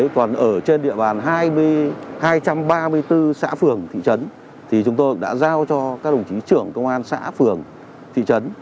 còn ở trên địa bàn hai trăm ba mươi bốn xã phường thị trấn thì chúng tôi đã giao cho các đồng chí trưởng công an xã phường thị trấn